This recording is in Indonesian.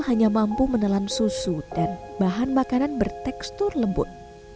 hanya mampu menelan susu dan bahan makanan bertekstur lembut